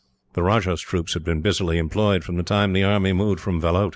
The Rajah's troops had been busily employed, from the time the army moved from Vellout.